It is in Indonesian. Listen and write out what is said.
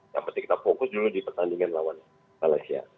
yang penting kita fokus dulu di pertandingan lawan malaysia